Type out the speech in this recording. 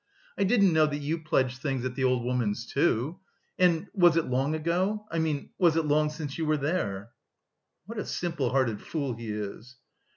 "I didn't know that you pledged things at the old woman's, too. And... was it long ago? I mean, was it long since you were there?" "What a simple hearted fool he is!"